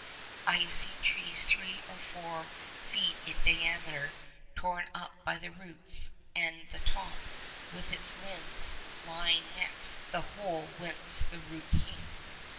I have seen trees three or four feet in diameter torn up by the roots, and the top, with its limbs, lying next the hole whence the root came.